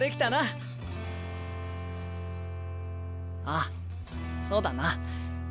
ああそうだな。